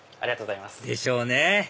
でしょうね